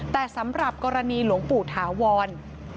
แต่สำหรับกรณีหลวงปู่ถาวร